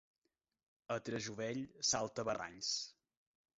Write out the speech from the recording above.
A Trejuvell, saltabarrancs.